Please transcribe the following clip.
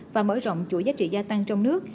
và mở rộng chuỗi giá trị gia tăng trong nước